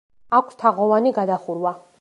აქვს თაღოვანი გადახურვა.